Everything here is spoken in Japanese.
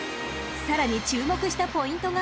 ［さらに注目したポイントが］